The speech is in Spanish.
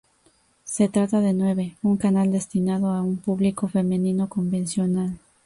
Se trata de Nueve, un canal destinado a un público femenino convencional.